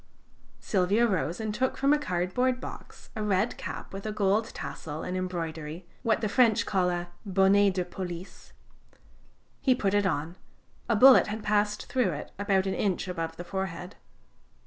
Silvio rose and took from a cardboard box a red cap with a gold tassel and embroidery (what the French call a bonnet de police); he put it on a bullet had passed through it about an inch above the forehead.